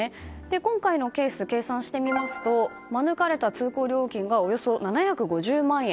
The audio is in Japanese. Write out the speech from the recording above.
今回のケースを計算してみますと免れた通行料金がおよそ７５０万円。